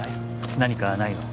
何かないの？